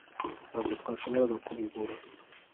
Ntabwo twashoboraga kubigura